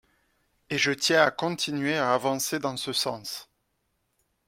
Et je tiens à continuer à avancer dans ce sens.